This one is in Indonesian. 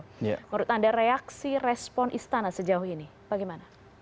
menurut anda reaksi respon istana sejauh ini bagaimana